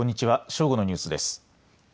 正午のニュースです。